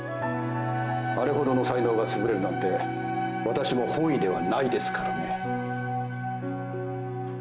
あれほどの才能がつぶれるなんて私も本意ではないですからね。